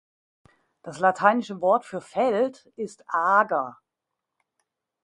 Das lateinische Wort für Feld ist „ager“.